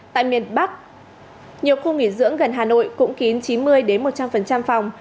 tại miền bắc nhiều khu nghỉ dưỡng gần hà nội cũng kín chín mươi một trăm linh phòng